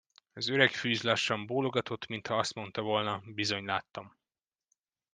Az öreg fűz lassan bólogatott, mintha azt mondta volna: Bizony, láttam!